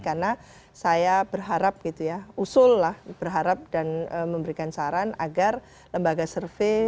karena saya berharap gitu ya usul lah berharap dan memberikan saran agar lembaga survei